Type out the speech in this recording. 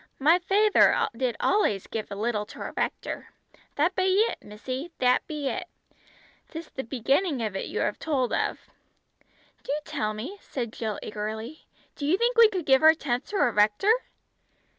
"My fayther did allays give a little to our rector; that be it missy, that be it. 'Tis the beginning of it you have told of!" "Do tell me," said Jill eagerly. "Do you think we could give our tenth to our rector?"